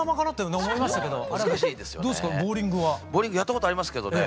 ボウリングやったことありますけどね